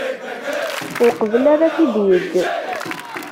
Uqbel ara t-id-yeǧǧ.